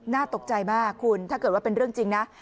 น่าตกใจมากคุณถ้าเกิดว่าเป็นเรื่องจริงนะ